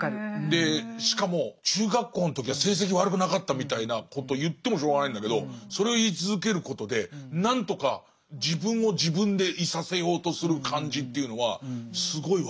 でしかも中学校の時は成績悪くなかったみたいなことを言ってもしょうがないんだけどそれを言い続けることで何とか自分を自分でいさせようとする感じというのはすごい分かりますね。